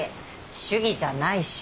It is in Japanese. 主義じゃないし。